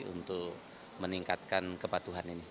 untuk meningkatkan kepatuhan ini